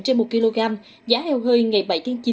trên một kg giá heo hơi ngày bảy tháng chín